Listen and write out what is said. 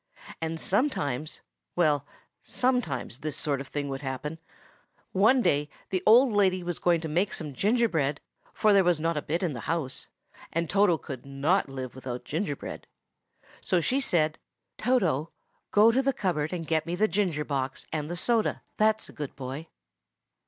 And sometimes,—well, sometimes this sort of thing would happen: one day the old lady was going to make some gingerbread; for there was not a bit in the house, and Toto could not live without gingerbread. So she said, "Toto, go to the cupboard and get me the ginger box and the soda, that's a good boy!"